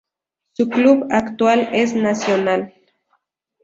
Su club actual es Nacional.